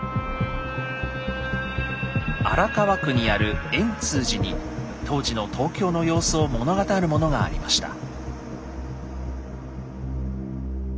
荒川区にある円通寺に当時の東京の様子を物語るものがありました。